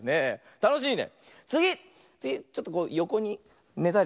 たのしいね。